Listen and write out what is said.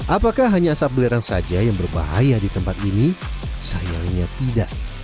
apakah hanya asap belerang saja yang berbahaya di tempat ini sayangnya tidak